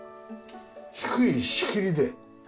低い仕切りで。